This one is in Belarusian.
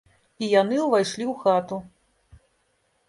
І яны ўвайшлі ў хату.